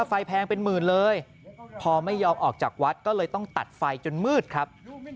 แพงเป็นหมื่นเลยพอไม่ยอมออกจากวัดก็เลยต้องตัดไฟจนมืดครับ